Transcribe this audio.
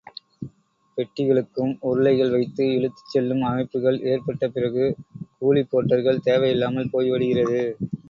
பெட்டிகளுக்கும் உருளைகள் வைத்து இழுத்துச் செல்லும் அமைப்புகள் ஏற்பட்ட பிறகு கூலி போர்ட்டர்கள் தேவை இல்லாமல் போய்விடுகிறது.